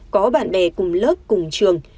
có bạn bè cùng lớp cùng trường